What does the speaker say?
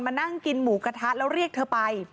มานั่งกินหมูกระทะแล้วเรียกเธอไป